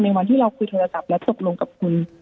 วันที่เราคุยโทรศัพท์และตกลงกับคุณ